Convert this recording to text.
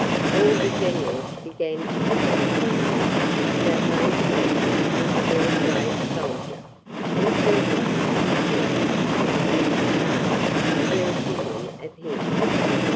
All the generals began to tell one another that Major Monkey was a very brave soldier. And certainly he said nothing to change their opinion of him.